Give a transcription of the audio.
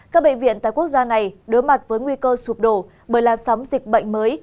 các bệnh viện tại quốc gia này đối mặt với nguy cơ sụp đổ bởi làn sóng dịch bệnh mới